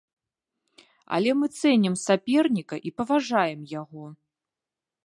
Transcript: Але мы цэнім саперніка і паважаем яго.